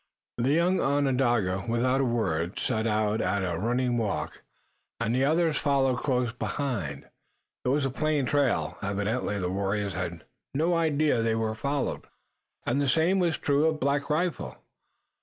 The young Onondaga, without a word, set out at a running walk, and the others followed close behind. It was a plain trail. Evidently the warriors had no idea that they were followed, and the same was true of Black Rifle.